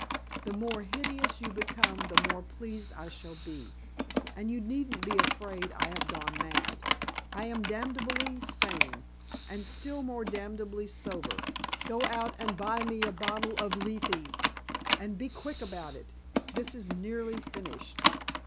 The more hideous you become the more pleased I shall be. And you needn't be afraid I have gone mad. I am damnably sane. And still more damnably sober. Go out and buy me a bottle of Lethe, and be quick about it. This is nearly finished."